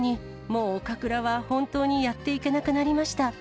もう岡倉は本当にやっていけなくなりました。